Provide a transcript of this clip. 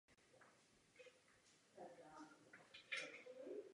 Konají se v něm i bohoslužby v anglickém a francouzském jazyce.